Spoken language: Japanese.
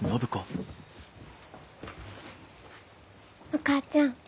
お母ちゃん